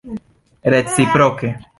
reciproke